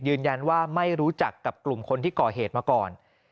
ยืนยันว่าไม่รู้จักกับกลุ่มคนที่ก่อเหตุมาก่อน